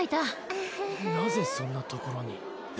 なぜそんなところに？